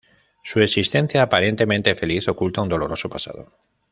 Su existencia aparentemente feliz oculta un doloroso pasado.